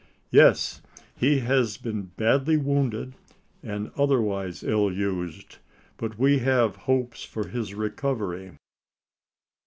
"Yes; he has been badly wounded, and otherwise ill used; but we have hopes of his recovery."